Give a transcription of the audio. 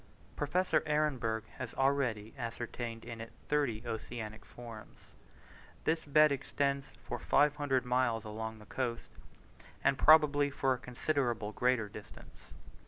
Professor Ehrenberg has already ascertained in it thirty oceanic forms. This bed extends for 500 miles along the coast, and probably for a considerably greater distance.